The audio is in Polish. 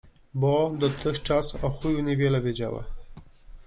Bo dotychczas o chuju niewiele wiedziała -